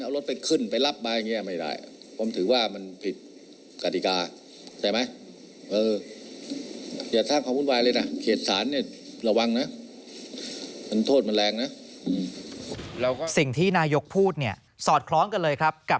เอารถไปขึ้นไปรับมาอย่างนี้ไม่ได้